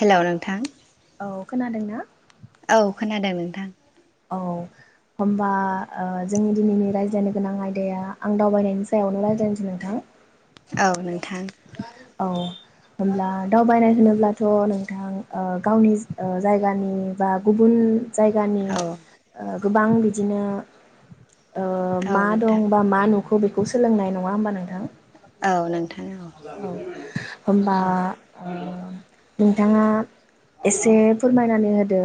हेल' नोंथां। खोनादों ना? औ खोनादों नोंथां। औ होमबा ओ जोंनि दिनैनि रायज्लायनो गोनां आयदाया आं दावबायनायनि सायावनो रायज्लायनोसै नोंथां। औ नोंथां औ होनब्ला दावबायनाय होनोब्ला थ' नोंथां ओ गावनि ओ जायगानि बा गुबुन जायगानि औ ओ गोबां बिदिनो ओ औ मा नोंथां दं बा मा नु खौ बेखौ सोलोंनाय। नङा होमबा नोंथां? औ नों औ। होनबा ओ नोंथाङा एसे फोरमाय नानै होदो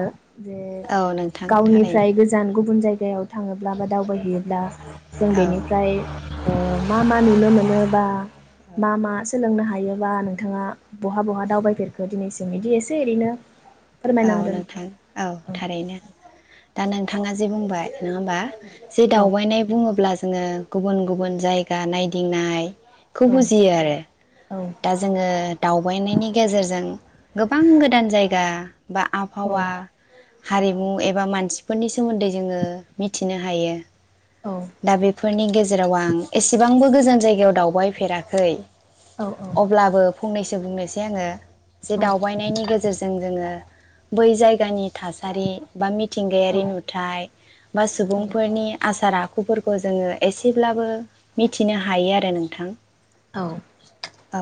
जे औ नोंथां थारैनो गावनिफ्राय गोजान गुबुन जायगा याव थाङोब्ला बा दावबायहैयोब्ला जों औ बेनिफ्राय ओ मा मा नुनो मोनो बा औ सोलोंनो हायोबा नोंथाङा बहा बहा दावबायफेरखो दिनैसिम बिदि एसे एरैनो औ नोंथां औ थारैनो। दा नोंथाङा जे बुंबाय नङा होमबा जे औ दावबायनाय बुङोब्ला जोङो गुबुन गुबुन जायगा नायदिंनाय खौ औ बुजियो आरो औ दा जोङो दावबायनायनि गेजेरजों गोबां गोदान जायगा बा औ आबहावा हारिमु एबा मानसि फोरनि सोमोन्दै जोङो मिथिनो हायो। औ दा बि फोरनि गेजेराव आं एसेबांबो गोजान जायगायाव दावबायफेराखै। औ अब्लाबो फंनैसो बुंनोसै आङो। जे दावबायनायनि गेजेरजों जोङो बै जायगानि थासारि बा मि मिथिंगायारि नुथाय बा सुबुंफोरनि आसार आ खुफोरखौ जोङो एसेब्लाबो मिथिनो हायो आरो नोंथां। औ। औ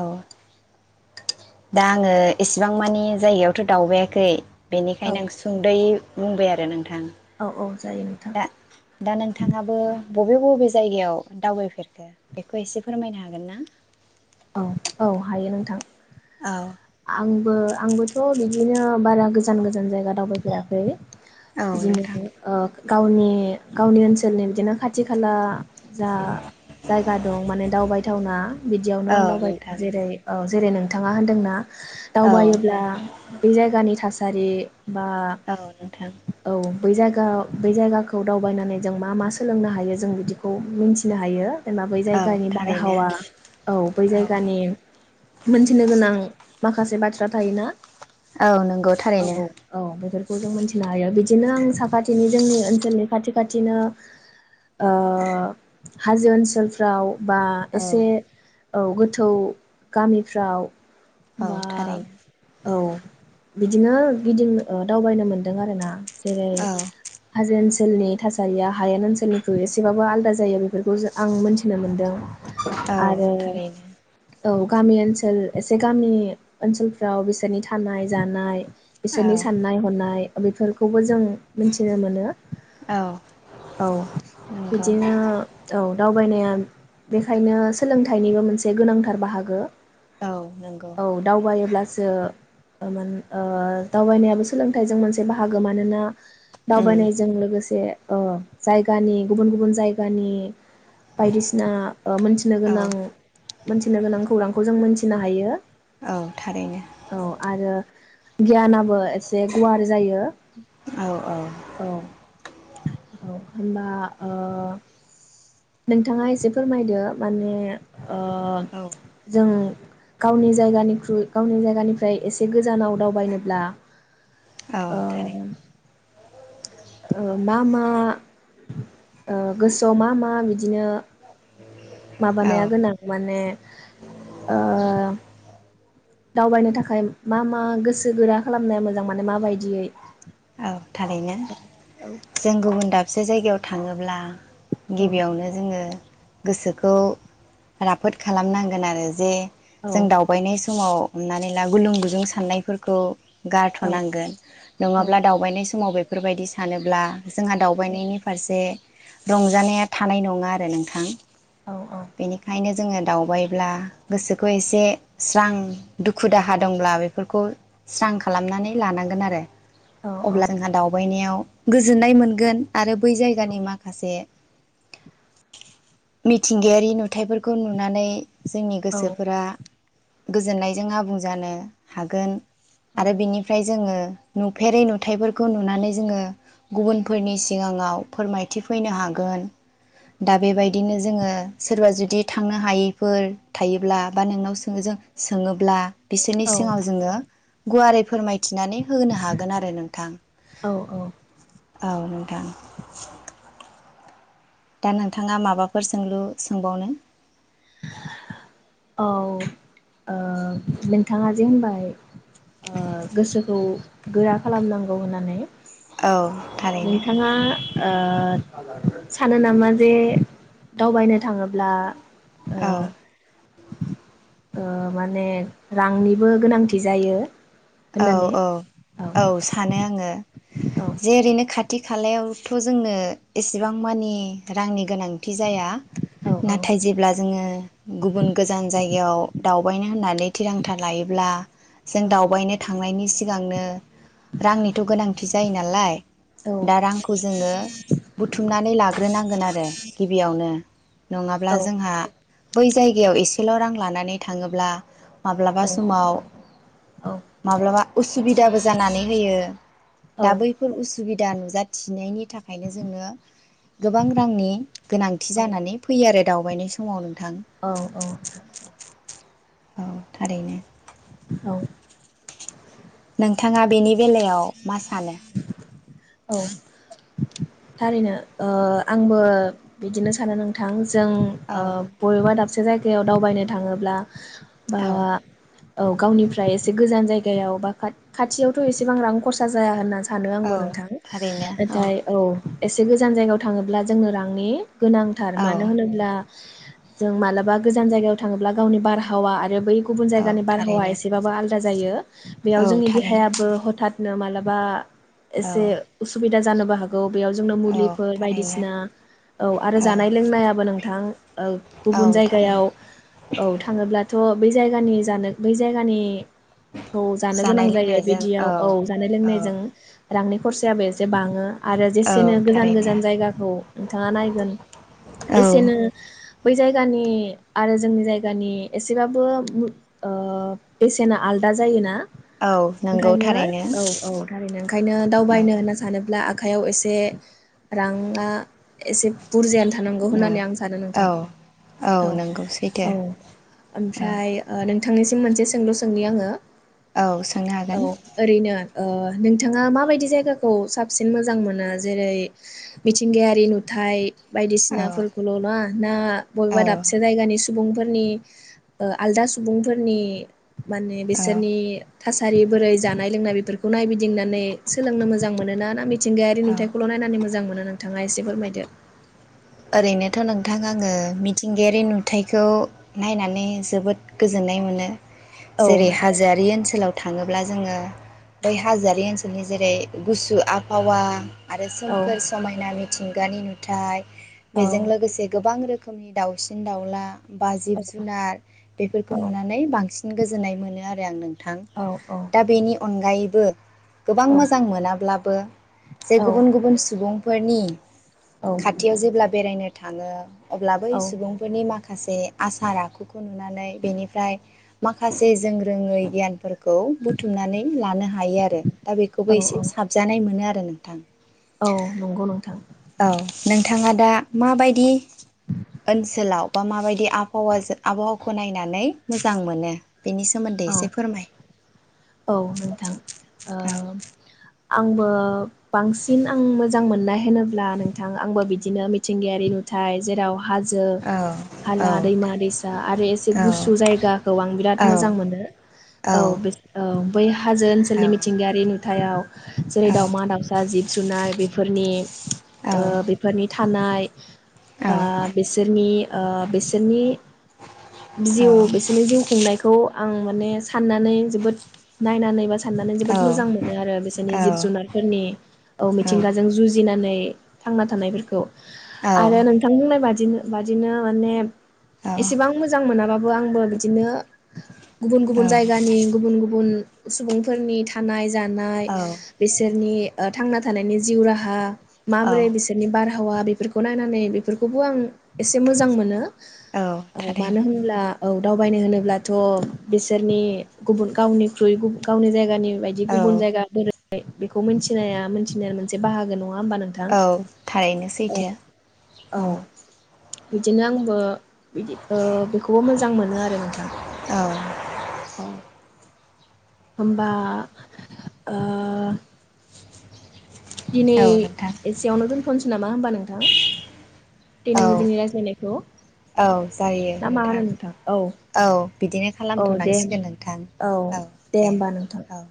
दा आङो एसेबां मानि जायगायावथ' दावबायाखै। औ बेनिखायनो आं सुंद'यै बुंबाय आरो नोंथां। औ औ जायो नोंथां दा दा नोंथाङाबो बबे बबे जायगायाव दावबायफेरखो बेखौ एसे फोरमायनो हागोन ना? औ औ हायो नोंथां। औ। बो आंबोथ बिदि बिदिनो बारा गोजान गोजान जायगा दावबायफेयाखै। इदिनो नोंथां ओ गावनि गावनि ओनसोलनि बिदिनो खाथि खाला जा जायगा दं माने दावबायथावना बि आं औ दावबायदों। नोंथां जेरै ओ जेरै नोंथाङा होनदोंना औ दावबायोब्ला बे जायगानि था सारि बा औ नोंथां औ बै जायगा बै जायगाखौ दावबायनानै जों मा मा सोलोंनो हायो जों बिदिखौ मिन्थिनो हायो। जेनबा बै औ जायगानि थारैनो बारहावा औ बै औ जायगानि मोन्थिनो गोनां माखासे बाथ्रा थायोना औ नोंगौ थारैनो। खौ जों मोन्थिनो हायो बिदिनो आं साखाथिनि जोंनि ओनसोलनि खाथि खाथिनो ओ हाजो ओनसोलफ्राव बा औ एसे औ गोथौ गामिफ्राव औ बा थारैनो। औ बिदिनो गिदिं ओ दावबायनो मोनदों आरो ना। जेरै औ हाजो ओनस ओनसोलनि थासारिया हायेन ओनसोलनिख्रुइ एसेबाबो आलदा जायो बे बेफोरखौसो आं मोनथिनो मोनदों। औ आरो थारैनो औ गामि ओनसोल एसे गामि ओनसोलफ्राव बिसोरनि थानाय जानाय बिसोरनि औ साननाय हनाय बेफोरखौबो जों मिनथिनो मोनो। औ औ नंगौ बिदिनो औ दावबायनाया बेखायनो स सोलोंथाइनिबो मोनसे गोनांथार बाहागो। औ नंगौ औ थारैनो दावबायोब्लासो ओ दावबायनायाबो सोलोंथाइजों मोनसे बाहागो मानोना उम दावबायनायजों लोगोसे अ जायगानि गुबुन गुबुन जायगानि बायदिसि नाङा ओ मोनथि औ गोनां मोनथिनो गोनां खौरांखौ जों मोनथिनो हायो। औ थारैनो औ आरो गियानाबो एसे गुवार जायो औ औ औ। औ होनबा ओ नोंथाङा एसे फोरमायदो। माने ओ औ जों। गावनि जायगानिख्रुइ गावनि जायगानिफ्राय एसे गोजानाव दावबायनोब्ला औ ओ थारै मा मा ओ गोसोआव मा मा बिदिनो। औ माबानाया गोनां माने ओ दावबायनो थाखाय मा मा गोसो गोरा खालामनाया मोजां माने माबायदियै। औ थारैनो औ जों गुबुन दा से जायगायाव थाङोब्ला गिबियावनो जोङो गोसोखौ राफोद खालामनांगोन आरो जे औ जों दावबायनाय समाव हमनानै ला गुलुं गुजुं साननायफोरखौ औ गारथ'नांगोन औ नङा दावबायनाय समाव बेफोरबायदि सानोब्ला जोंहा दावबायनायनि फारसे रंजानाया थानाय नङा आरो नोंथां औ औ बेनिखायनो जोङो दावबाय अब्ला गोसोखौ एसे स्रां दुखु दाहा दंब्ला बेफोरखौ स्रां खालामनानै लानांगोन आरो औ औ अब्ला जोंहा दावबायनायाव गोजोननाय मोनगोन आरो बै जायगानि माखासे मिथिंगायारि नु थाइफोरखौ नुनानै जोंनि औ गोसोफोरा गोजोननायजों आबुं जानो हागोन आरो बिनिफ्राय जोङो नुफेरै नुथायफोरखौ नुनानै जोङो गुबुनफोरनि सिगाङाव दा बेबायदिनो जोङो सोरबा जु दि थांनो हायैफोर थायोब्ला बा नोंनाव सों जों सोङोब्ला बिसोरनि सिङाव जोङो गुवारै फोरमायथिनानै होनो हागोन आरो नोंथां औ औ औ [unintelligible] दा नोंथाङा माबाफोर सोंलु सोंबावनो? औ ओ नोंथाङा जे होनबाय ओ गोसोखौ गोरा खालामनांगौ होननानै औ थारैनो नोंथांङा ओ सानो नामा जे दावबायनो थांङोब्ला ओ औ ओ माने रांनिबो गोनांथि जायो औ होननानै औ औ सानो आंङो औ जेरैनो खाथि खालायावथ' जोंनो एसेबां मानि रांनि गोनांथि जाया औ नाथाय जेब्ला जोङो गुबुन गोजान जायगायाव दावबायनो होननानै थिरांथा लायोब्ला जों औ दावबायनो थांनायनि सिगांनो रांनिथ' गोनांथि जायो नालाय औ दा रांखौ जोङो बुथुमनानै लाग्रोनांगोन आरो गिबियावनो नङाब्ला औ जोंहा बै जायगायाव एसेल' रां लानानै थाङोब्ला माब्लाबा औ समाव माब्लाबा उसुबिदाबो जानानै होयो दा बैफोर उसुबि बिदा नुजाथिनायनि थाखायनो जोंङो गोबां रांनि गोनांथि जानानै फैयो आरो दावबायनाय समाव नों औ औ औ थारैनो औ नोंथाङा बेनि बेलायाव मा सानो? औ [inaudible] थारैनो ओ आंबो बिदिनो सानो नोंथां जों औ ओ बबेबा दाब सासे जायगायाव दावबायनो थाङोब्ला बा औ औ गावनिफ्राय एसे गोजान जायगायाव बा खाथ खाथियावथ' एसेबां रां खरसा जाया होनना सानो औ आंबो नोंथां नाथाय औ एसे गोजान जायगायाव थाङोब्ला जोङो रांनि गोनांथार औ मानो होनोब्ला जों मालाबा गोजान जायगायाव थाङोब्ला गावनि बारहावा आरो बै गुबुन औ जायगानि बारहावा थारैनो एसेबाबो आलदा जायो औ बेयाव जोंनि थारैनो देहायाबो हथात नो मालाबा एसे औ उसुबिदा जानोबो हागौ बेयाव जोंनो औ मुलिफोर थारैनो बायदिसिना औ आरो जानाय लोंनायाबो नोंथां ओ गुबुन औ थारैनो जायगायाव औ थाङोब्लाथ' बै जायगानि जानो बै जायगानि खौ जानो गोनां जानाय जायो लोंनायजों बिदियाव औ जानाय औ लोंनायजों रांनि खरसायाबो एसे बाङो आरो जेसेनो औ गोजान थारैनो गोजान जायगाखौ नोंथाङा नायगोन औ एसेनो बै जायगानि आरो जोंनि जायगानि एसेबाबो ओ बेसेना आलदा जायोना औ नंगौ ओंखायनो थारैनो औ औ थारैनो ओंखायनो दावबायनो होनना औ सानो अब्ला आखाइयाव एसे राङा एसे बुरजायानो थानांगौ होननानै आं सानो नोंथां औ औ नंगौ सैथो औ औ ओमफ्राय नों नोंथांनिसिम मोनसे सोंलु सोंनि आङो औ सोंनो हागोन नो ओ नोंथाङा माबायदि जायगाखौ साबसिन मोजां मोनो जेरै मिथिंगायारि नुथाइ? औ बायदिसिनाफोरखौल' ना ना औ बबेबा दाबसे जायगानि सुबुंफोरनि आलदा सुबुंफोरनि माने औ बिसोरनि थासारि बोरै जा नाय लोंनाय बेफोरखौ नाय गिदिंनानै सोलोंनो मोजां मोना ना थिंगायारि औ नुथायखौल' नायनानै मो मोजां मोनो नोंथाङा एसे फोरमायदो ओरैनोथ' नोंथां आङो मिथिंगायारि नुथायखौ नायनानै जोबोद गोजोननाय मोनो औ जेरै नोंथां हाजोआरि ओनसोलाव थाङोब्ला जोङो बै हाजोयारि ओनसोलनि जेरै गुसु आबहावा आरो औ सोमखोर समायना मिथिं गानि नुथाय औ बेजों लोगोसे गोबां रोखो मनि दाउसिन दाउला बा जिब जुनार बेफोरखौ नुनानै बांसिन गोजोननाय मोनो आरो आं नों थां औ दा बेनि अनगायैबो गोबां मोजां मोनाब्लाबो जे गुबुन गुबुन सुबुं फोरनि औ खाथियाव जेब्ला नो थाङो अब्ला बै औ सुबुंफोरनि मा खासे आसार आखुखौ नुनानै बेनिफ्राय माखासे जों रोङै गियानफोर खौ बुथुमनानै लानो हायो आरो दा बेखौबो औ एसे साबजानाय मोनो आरो नों थां औ नंगौ नोंथां औ नोंथाङा दा माबायदि ओनसोलाव बा माबायदि आबहावाजों आबहावाखौ नायनानै मोजां मोनो बेनि सोमोन्दै औ एसे फोरमाय औ नोंथां ओ औ आंबो बांसिन आं मोजां मोननाय होनोब्ला नोंथां आंबो बिदिनो मिथिंगायारि नुथाय जेराव हाजो औ औ हाला दैमा दैसा आरो एसे औ गुसु जायगाखौ आं बिराद औ मोजां मोनो औ बिज औ। बै हा हाजो औ ओनसोलनि मिथिंगायारि नु थायाव जेरै दाउमा दाउसा जिब जुनार बेफोरनि ओ बेफोरनि था थानाय बा बिसोरनि ओ बिसोरनि जिउ बिसोरनि जिउ खुंनाय खौ आं माने साननानै जोबोद नायनानै बा साननानै जोबोद औ मोजां मोनो आरो बिसोरनि जिब औ जुनारफोरनि ओ औ मिथिंगाजों जुजि जुजिनानै थांना थानायफोरखौ औ आरो नोंथां बुंनाय बादि बादिनो माने एसेबां मोजां मोनाबाबो आंबो बिदिनो गुबुन औ गुबुन जायगानि गुबुन गुबुन सुबुंफोरनि थानाय जानाय औ बिसोरनि ओ थांना थानायनि जिउ राहा औ माबोरै बिसोरनि बार हावा बेफोरखौ नायनानै बेफोरखौबो आं एसे मोजां मोनो औ ओ मानो थारैनो होनब्ला औ दावबायनाय होनोब्ला थ' बिसोरनि गुबुन गावनिख्रुइ गु गावनि जायगानि बायदि औ गुबुन जायगा बोरै बेखौ मिथिनाया मिथिनाया मोनसे बाहागो नङा होमबा नों औ थारैनो सैथो औ। बिदिनो आंबो बिदि ओ बेखौबो मोजां मोनो आरो नोंथां। औ। औ। होमबा ओ दिनै नोंथां एसेयावनो दोनथ'नोसै नामा होमबा नोंथां औ दिनैनि जोंनि रायज्लायनायखौ? औ जायो ना मा नोंथां होनो औ औ बिदिनो औ दे खालामथ'नांसिगोन नोंथां औ दे होमबा नोंथां औ।